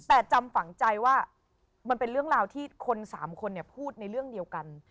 แต่จำฝังใจว่ามันเป็นเรื่องราวที่คนสามคนพูดในเรื่องเดียวกัน